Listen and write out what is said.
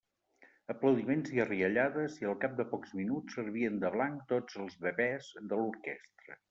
Aplaudiments i riallades, i al cap de pocs minuts servien de blanc tots els bebès de l'orquestra.